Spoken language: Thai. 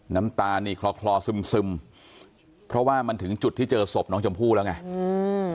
น้ำตานี่คลอคลอซึมซึมเพราะว่ามันถึงจุดที่เจอศพน้องชมพู่แล้วไงอืม